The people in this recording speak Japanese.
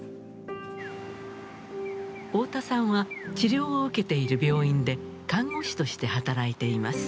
太田さんは治療を受けている病院で看護師として働いています。